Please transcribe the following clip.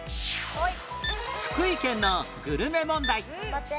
福井県のグルメ問題